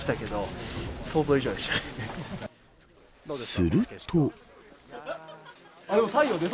すると。